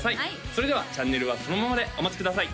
それではチャンネルはそのままでお待ちください